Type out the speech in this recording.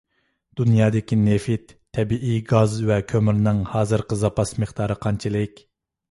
دۇنيادىكى نېفىت، تەبىئىي گاز ۋە كۆمۈرنىڭ ھازىرقى زاپاس مىقدارى قانچىلىك؟